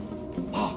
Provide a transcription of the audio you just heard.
あっ！